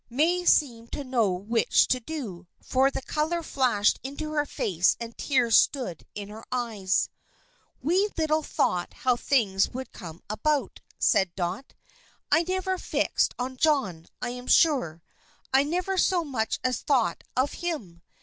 May seemed to know which to do, for the color flashed into her face and tears stood in her eyes. "We little thought how things would come about," said Dot. "I never fixed on John, I'm sure; I never so much as thought of him.